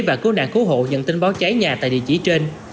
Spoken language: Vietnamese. và cứu nạn cứu hộ nhận tin báo cháy nhà tại địa chỉ trên